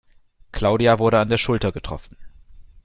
Claudia wurde an der Schulter getroffen.